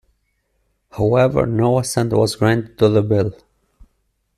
However, no assent was granted to the Bill.